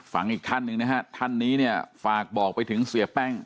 อีกท่านหนึ่งนะฮะท่านนี้เนี่ยฝากบอกไปถึงเสียแป้ง